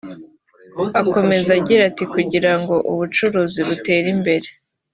Akomeza agira ati “Kugira ngo ubucuruzi butere imbere